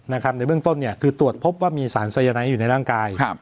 ในเบื้องต้นคือตรวจพบว่ามีสารสายนายอยู่ในร่างกาย